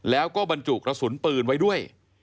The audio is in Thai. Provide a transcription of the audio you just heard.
แล้วก็บรรจุกระสุนปืนไว้ด้วย